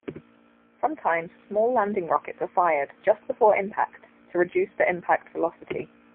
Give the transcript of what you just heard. Sometimes small landing rockets are fired just before impact to reduce the impact velocity.